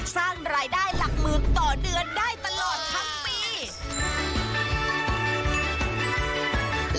สร้างรายได้หลักหมื่นต่อเดือนได้ตลอดทั้งปี